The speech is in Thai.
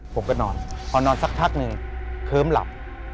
ผมก็นอนพอนอนสักพักหนึ่งเคิ้มหลับ